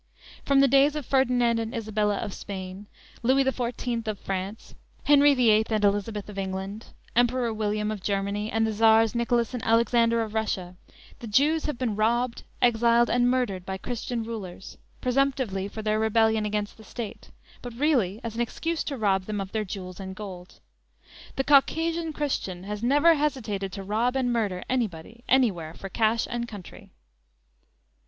From the days of Ferdinand and Isabella of Spain, Louis the Fourteenth of France, Henry the Eighth and Elizabeth of England, Emperor William of Germany and the Czars Nicholas and Alexander of Russia, the Jews have been robbed, exiled and murdered by Christian rulers, presumptively for their rebellion against the State, but really as an excuse to rob them of their jewels and gold. The Caucasian Christian has never hesitated to rob and murder anybody anywhere for cash and country!